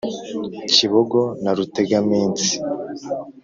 kibogo na rutegaminsi.